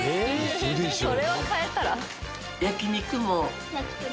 それは変えたら？